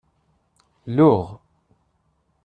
Luɣ.